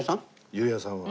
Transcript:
裕也さんは。